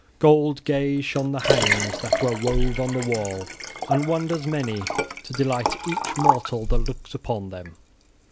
Gold gay shone the hangings that were wove on the wall, and wonders many to delight each mortal that looks upon them.